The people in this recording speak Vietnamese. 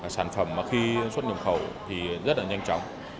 sản phẩm khi xuất nhập khẩu rất nhanh chóng